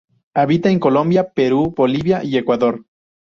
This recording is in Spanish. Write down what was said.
Habita en Colombia, Perú, Bolivia y Ecuador.